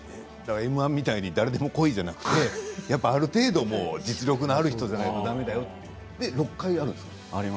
Ｍー１みたいに誰でもこいじゃなくある程度実力のある人じゃないとだめだよと６回あるんですね。